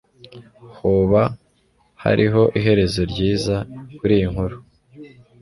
Hoba hariho iherezo ryiza kuriyi nkuru